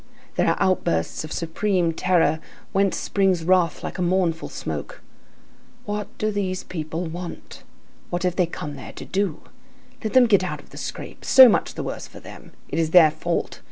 There are outbursts of supreme terror, whence springs wrath like a mournful smoke.—"What do these people want? What have they come there to do? Let them get out of the scrape. So much the worse for them. It is their fault.